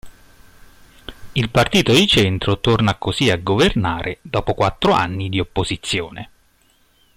Il Partito di Centro torna così a governare dopo quattro anni di opposizione.